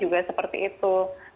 juga seperti itu